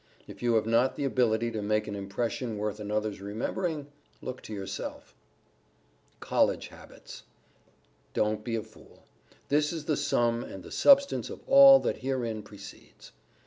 If you have not the ability to make an impression worth another's remembering, look to yourself. [Sidenote: COLLEGE HABITS] Don't be a fool. This is the sum and the substance of all that herein precedes.